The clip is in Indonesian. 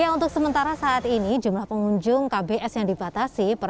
untuk sementara saat ini jumlah pengunjung kbs yang dibatasi